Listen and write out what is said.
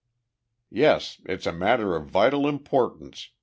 "Yes, it's a matter of vital importance!"